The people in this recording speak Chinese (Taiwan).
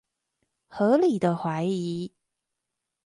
合理的懷疑